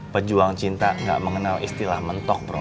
pejuang cinta tidak mengenal istilah mentok bro